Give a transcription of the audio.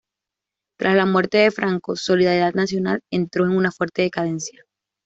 Tras la muerte de Franco, "Solidaridad Nacional" entró en una fuerte decadencia.